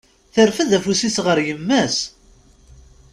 Terfed afus-s ɣer yemma-s!